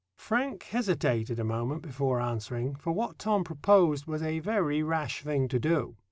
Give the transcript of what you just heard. "] Frank hesitated a moment before answering, for what Tom proposed was a very rash thing to do.